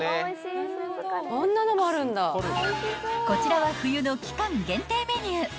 ［こちらは冬の期間限定メニュー］